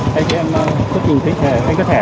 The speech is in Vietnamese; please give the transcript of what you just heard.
thầy kia em xuất trình tính thẻ